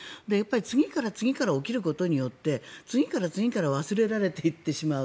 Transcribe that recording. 次から次から起きることによって次から次から忘れられていってしまう。